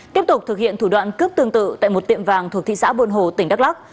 tiếp tục thực hiện thủ đoạn cướp tương tự tại một tiệm vàng thuộc thị xã buôn hồ tỉnh đắk lắc